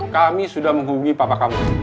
kami sudah menghubungi papa kamu